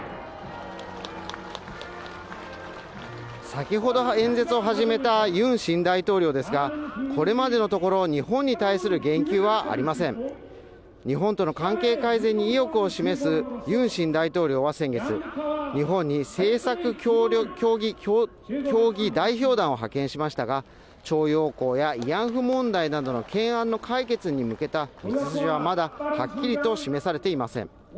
先ほど演説を始めたユン大統領ですがこれまでのところ日本に対する言及はありません日本との関係改善に意欲を示すユン大統領は先月日本に政策協議団体を派遣しましたが徴用工や慰安婦問題などの懸案の解決に向けた道筋はまだ示されていません